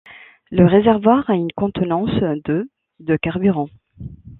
Le réservoir à une contenance de de carburants.